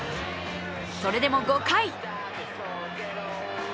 それでも５回。